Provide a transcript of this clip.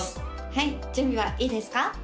はい準備はいいですか？